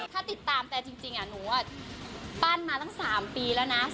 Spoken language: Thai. ถ้าติดตามแต่จริงหนูปั้นมาตั้ง๓ปีแล้วนะ